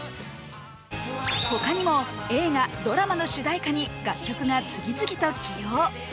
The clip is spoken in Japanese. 他にも映画、ドラマの主題歌に楽曲が次々と起用。